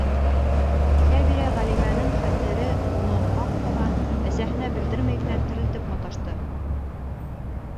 Үҫә бирә Ғәлимәнең хәтере уны һаҡ ҡына, әсәһенә белдермәй генә, терелтеп маташты.